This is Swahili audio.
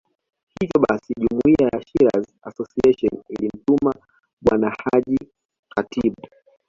Hivyo basi Jumuiya ya Shirazi Association ilimtuma Bwana Haji Khatibu